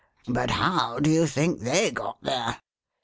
But how do you think they got there